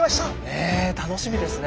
ねえ楽しみですね。